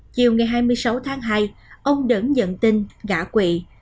chiều ngày hai mươi sáu tháng hai ông đẩn nhận tin gã quỵ